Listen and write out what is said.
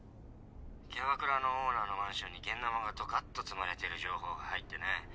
キャバクラのオーナーのマンションに現ナマがどかっと積まれてる情報が入ってね。